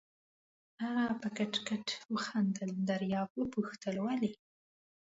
هغه په کټ کټ وخندل، دریاب وپوښت: ولې؟